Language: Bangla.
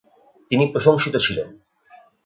তিনি প্রশংসিত ছিলেন।